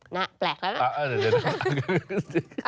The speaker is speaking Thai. แปลกแล้วนะ